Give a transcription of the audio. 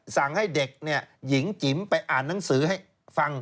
สั่งให้เด็กหญิงจิ๋มไปอ่านหนังสือให้ฟัง